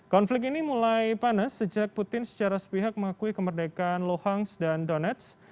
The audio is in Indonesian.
konflik ini mulai panas sejak putin secara sepihak mengakui kemerdekaan luhansk dan donetsk